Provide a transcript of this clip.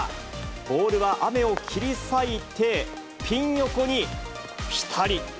ボールは雨を切り裂いて、ピン横にぴたり。